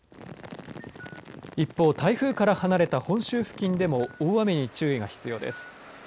一方、台風から離れた本州付近でも大雨に注意が必要です。